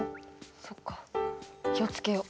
そっか気を付けよう。